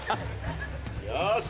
よし！